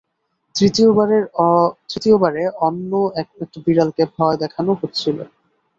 তৃতীয় বারে অন্য একটা বিড়ালকে ভয় দেখানো হচ্ছিল।